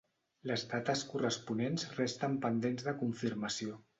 Les dates corresponents resten pendents de confirmació.